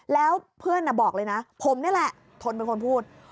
แล้วเพื่อนบอกเลยนะผมนี่แหละทนเป็นคนพูด